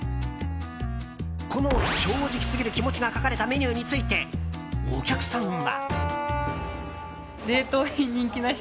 この正直すぎる気持ちが書かれたメニューについて、お客さんは。